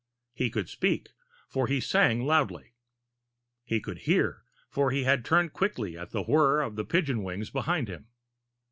He could speak, for he sang loudly. He could hear, for he had turned quickly at the whir of pigeon wings behind him.